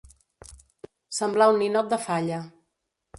Semblar un ninot de falla.